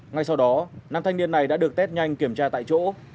ngay sau đó nam thanh niên này đã được test nhanh kiểm tra tại chỗ